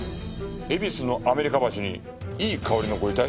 恵比寿のアメリカ橋にいい香りのご遺体？